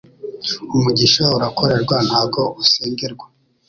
umugisha urakorerwa ntago usengerwa